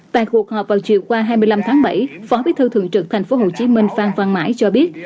tại cuộc họp vào chiều qua hai mươi năm tháng bảy phó bí thư thường trực tp hcm phan văn mãi cho biết